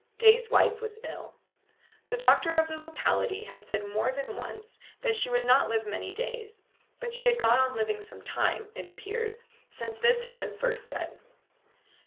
Day's wife was ill. The doctor of the locality had said more than once that she would not live many days, but she had gone on living some time, it appeared, since this had been first said.